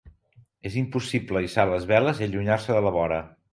Era impossible hissar les veles i allunyar-se de la vora.